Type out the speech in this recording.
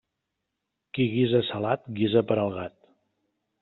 Qui guisa salat, guisa per al gat.